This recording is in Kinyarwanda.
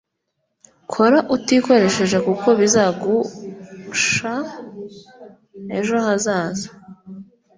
Kora utikoresheje kuko bizagusha ejo hazaza